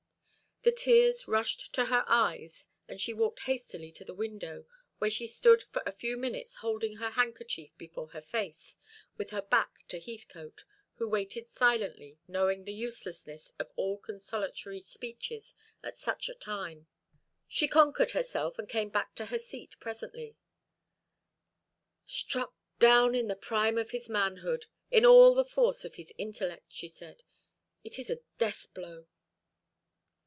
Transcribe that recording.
The tears rushed to her eyes, and she walked hastily to the window, where she stood for a few minutes holding her handkerchief before her face, with her back to Heathcote, who waited silently, knowing the uselessness of all consolatory speeches at such a time. She conquered herself, and came back to her seat presently. "Struck down in the prime of his manhood, in all the force of his intellect," she said. "It is a deathblow."